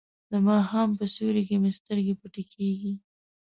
د ماښام په سیوري کې مې سترګې پټې کیږي.